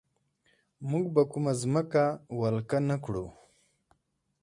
موږ به کومه ځمکه ولکه نه کړو.